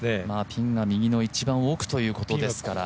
ピンが右の一番奥ということですから。